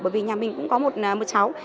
bởi vì nhà mình cũng có một cháu